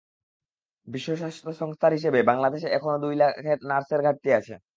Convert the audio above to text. বিশ্ব স্বাস্থ্য সংস্থার হিসেবে, বাংলাদেশে এখনো দুই লাখ নার্সের ঘাটতি আছে।